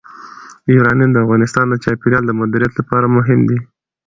یورانیم د افغانستان د چاپیریال د مدیریت لپاره مهم دي.